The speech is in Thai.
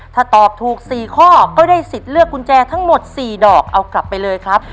ถ้าตอบถูก๔ข้อก็ได้สิทธิ์เลือกกุญแจทั้งหมด๔ดอกเอากลับไปเลยครับ